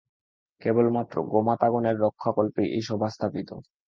কেবলমাত্র গোমাতাগণের রক্ষাকল্পেই এই সভা স্থাপিত।